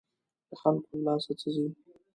د خلکو له لاسه څه ځي.